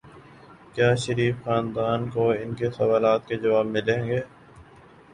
کیا شریف خاندان کو ان کے سوالات کے جواب ملیں گے؟